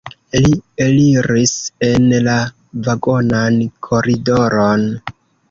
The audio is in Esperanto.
Li eliris en la vagonan koridoron.